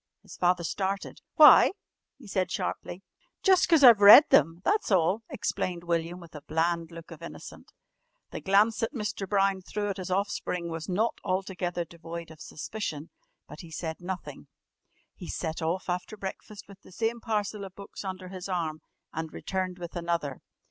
His father started. "Why?" he said sharply. "Jus' 'cause I've read them, that's all," explained William with a bland look of innocence. The glance that Mr. Brown threw at his offspring was not altogether devoid of suspicion, but he said nothing. He set off after breakfast with the same parcel of books under his arm and returned with another.